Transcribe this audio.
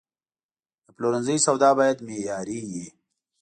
د پلورنځي سودا باید معیاري وي.